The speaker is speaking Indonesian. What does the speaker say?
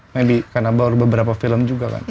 maybe karena baru beberapa film juga kan